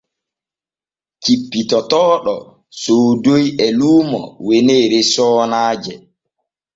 Cippitotooɗo soodoyi e luumo weneere soonaaje.